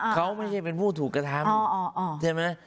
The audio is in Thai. เขาไม่ได้เป็นผู้ถูกกระทำ